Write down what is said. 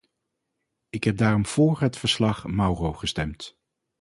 Ik heb daarom voor het verslag-Mauro gestemd.